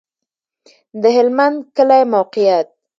د هلمند کلی موقعیت